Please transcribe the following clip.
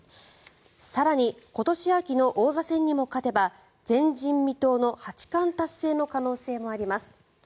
更に、今年秋の王座戦にも勝てば前人未到の八冠達成の可能性もあります。